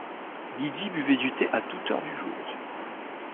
Lydie buvait du thé à toute heure du jour.